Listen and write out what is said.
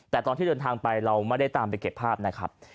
แต่ตอนที่เดินทางไปเราไม่ได้ตามไปเก็บภาพนะครับ